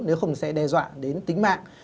nếu không sẽ đe dọa đến tính mạng